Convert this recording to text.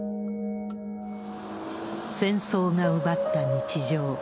戦争が奪った日常。